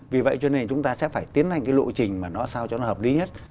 vì vậy cho nên chúng ta sẽ phải tiến hành cái lộ trình mà nó sao cho nó hợp lý nhất